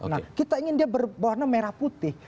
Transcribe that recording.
nah kita ingin dia berwarna merah putih